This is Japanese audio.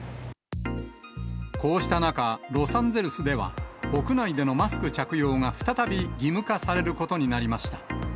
こうした中、ロサンゼルスでは、屋内でのマスク着用が再び義務化されることになりました。